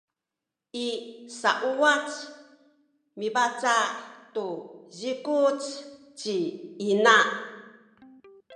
i sauwac mibaca’ tu zikuc ci ina